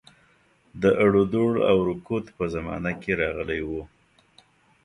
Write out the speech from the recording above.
د اړودوړ او رکود په زمانه کې راغلی وو.